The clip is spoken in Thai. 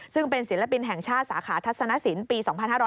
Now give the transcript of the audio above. ซึ่งเป็นศิลปินแห่งชาติสาขาทัศนสินปี๒๕๕๙